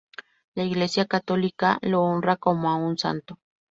La Iglesia católica lo honra como a un santo.